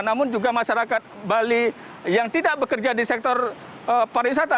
namun juga masyarakat bali yang tidak bekerja di sektor pariwisata